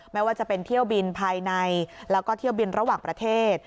ไม่ว่าจะเป็นเที่ยวบินภายในแล้วก็เที่ยวบินระหว่างประเทศ